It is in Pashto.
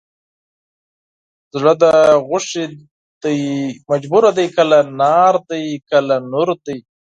زړه د غوښې دی مجبور دی کله نار دی کله نور دی